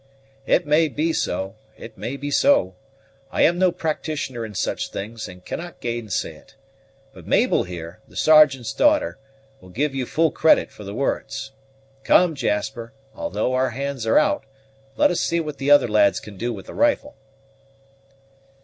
"It may be so, it may be so. I am no practitioner in such things, and cannot gainsay it. But Mabel here, the Sergeant's daughter, will give you full credit for the words. Come, Jasper, although our hands are out, let us see what the other lads can do with the rifle."